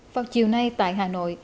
vào chiều nay tại hà nội